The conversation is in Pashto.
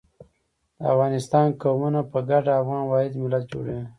د افغانستان قومونه په ګډه افغان واحد ملت جوړوي.